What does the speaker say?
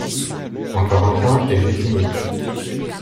Encore un point, et j’ai fini.